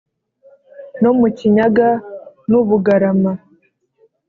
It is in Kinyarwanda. no mukinyaga nu bugarama